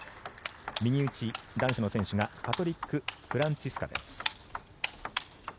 右打ち、男子の選手がパトリック・フランツィスカです。